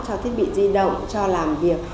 cho thiết bị di động cho làm việc